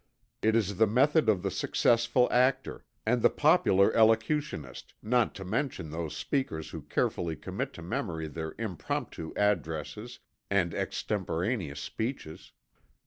It is the method of the successful actor, and the popular elocutionist, not to mention those speakers who carefully commit to memory their "impromptu" addresses and "extemporaneous" speeches.